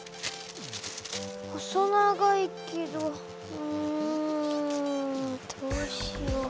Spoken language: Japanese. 細長いけどうんどうしよう。